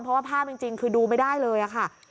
เพราะว่าภาพจริงคือดูไม่ได้เลยค่ะ